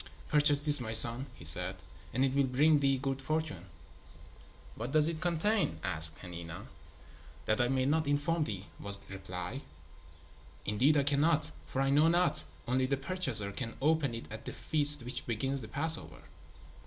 "Purchase this, my son," he said, "and it will bring thee good fortune." "What does it contain?" asked Hanina. "That I may not inform thee," was the reply. "Indeed I cannot, for I know not. Only the purchaser can open it at the feast which begins the Passover."